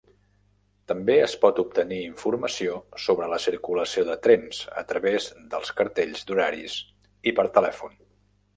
També es pot obtenir informació sobre la circulació de trens a través dels cartells d'horaris i per telèfon.